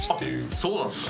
そうなんですか。